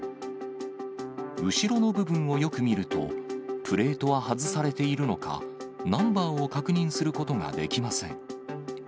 後ろの部分をよく見ると、プレートは外されているのか、ナンバーを確認することができません。